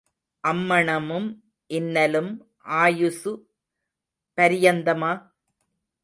அம்மணமும் இன்னலும் ஆயுசு பரியந்தமா?